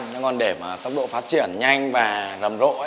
nhưng còn để mà tốc độ phát triển nhanh và rầm rộ